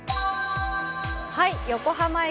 横浜駅